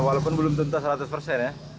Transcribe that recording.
walaupun belum tentu seratus persen ya